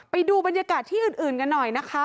ไปดูบรรยากาศที่อื่นกันหน่อยนะคะ